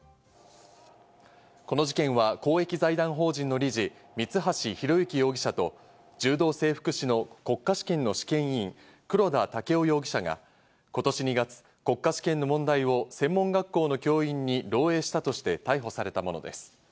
この事件は公益財団法人の理事・三橋裕之容疑者と、柔道整復師の国家試験の試験委員・黒田剛生容疑者が今年２月、国家試験の問題を専門学校の教員に漏えいしたとして逮捕されたものです。